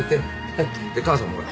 はい母さんもほら。